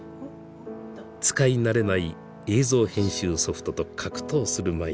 使い慣れない映像編集ソフトと格闘する毎日です。